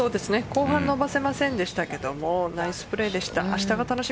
後半伸ばせませんでしたけどもナイスプレーでした。